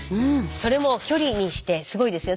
それも距離にしてすごいですよ。